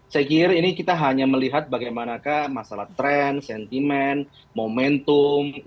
saya kira ini kita hanya melihat bagaimanakah masalah tren sentimen momentum